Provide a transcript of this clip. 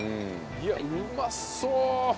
いやっうまそう！